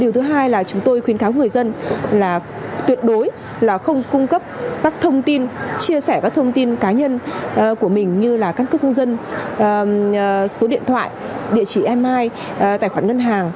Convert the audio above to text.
thứ hai là chúng tôi khuyến kháo người dân là tuyệt đối là không cung cấp các thông tin chia sẻ các thông tin cá nhân của mình như là các cơ cung dân số điện thoại địa chỉ mi tài khoản ngân hàng